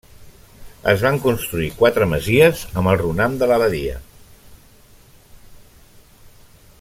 Es van construir quatre masies amb el runam de l'abadia.